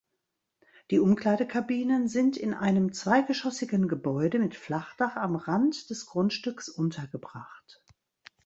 Die Umkleidekabinen sind in einem zweigeschossigen Gebäude mit Flachdach am Rand des Grundstücks untergebracht.